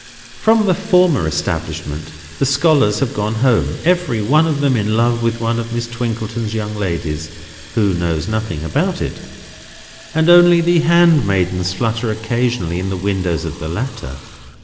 From the former establishment the scholars have gone home, every one of them in love with one of Miss Twinkleton's young ladies (who knows nothing about it); and only the handmaidens flutter occasionally in the windows of the latter.